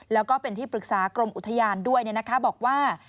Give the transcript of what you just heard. แล้วก็เป็นที่ปรึกษากรมอุทยานด้วยบอกว่า